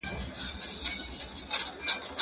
ميرمني ته هم د خاوند غوندي د جماع د طلب حق ثابت دی.